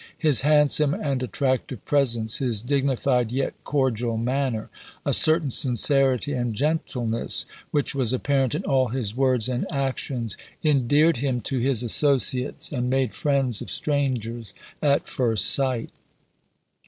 His hand some and attractive presence, his dignified yet cordial manner, a certain sincerity and gentleness which was apparent in all his words and actions, endeared him to his associates and made friends of strangers at first sight.